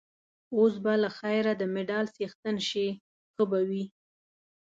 اوس به له خیره د مډال څښتن شې، ښه به وي.